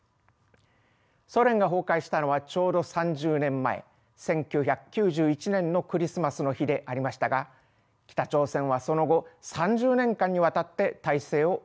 ソ連が崩壊したのはちょうど３０年前１９９１年のクリスマスの日でありましたが北朝鮮はその後３０年間にわたって体制を維持してきました。